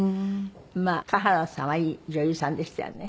まあ賀原さんはいい女優さんでしたよね。